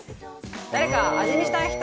誰か味見したい人。